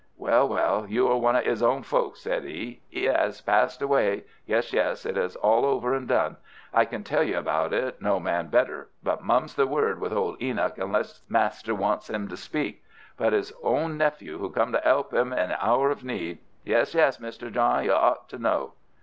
"Well, well, you are one of 'is own folk," said he. "'E 'as passed away; yes, yes, it is all over and done. I can tell you about it, no man better, but mum's the word with old Enoch unless master wants 'im to speak. But his own nephew who came to 'elp 'im in the hour of need—yes, yes, Mister John, you ought to know.